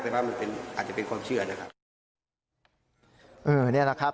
แต่ว่ามันเป็นอาจจะเป็นความเชื่อนะครับ